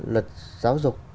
luật giáo dục